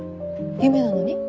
夢なのに。